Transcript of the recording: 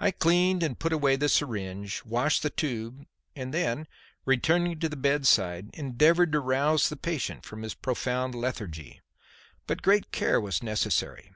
I cleaned and put away the syringe, washed the tube, and then, returning to the bedside, endeavoured to rouse the patient from his profound lethargy. But great care was necessary.